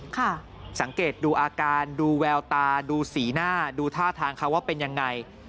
สังเกตดูอาการดูแววตาดูสีหน้าดูท่าทางเขาว่าเป็นยังไง